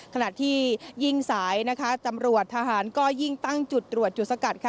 ขณะที่ยิ่งสายนะคะตำรวจทหารก็ยิ่งตั้งจุดตรวจจุดสกัดค่ะ